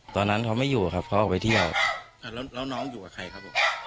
ตอนนั้นเขาไม่อยู่ครับเขาออกไปเที่ยวแล้วน้องอยู่กับใครครับผม